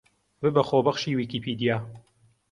ببە خۆبەخشی ویکیپیدیا